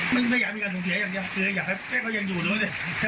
มันก็อยากมีการสูญเสียอย่างนี้อยากให้แป้งเขายังอยู่หรือไม่ใช่